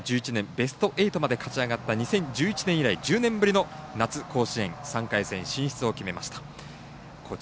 ベスト８で勝ち上がって以来１０年ぶりの夏、甲子園３回戦進出を決めました。